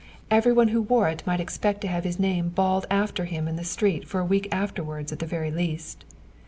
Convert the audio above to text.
Every one who wore it might expect to have his name bawled after him in the street for a week afterwards at the very least.